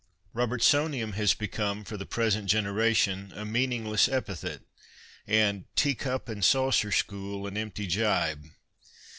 " Robertsonian'" has become for the present generation a meaningless epithet, and " teacup and saucer school " an empty gibe.